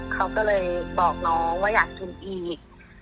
เขาก็เลยบอกน้องว่าอยากทุนอีก